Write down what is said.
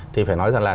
thì phải nói rằng là